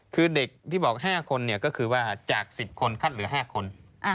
คือเด็กที่บอก๕คนก็คือว่าจาก๑๐คนคัดเหลือ๕คน